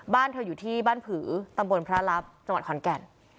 บ้านเธออยู่ที่บ้านผือตำบลพระรับจังหวัดขอนแก่น